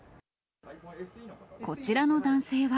こちらの男性は。